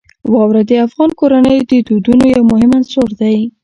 واوره د افغان کورنیو د دودونو یو مهم عنصر دی.